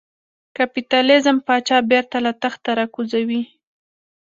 کاپیتالېزم پاچا بېرته له تخته را کوزوي.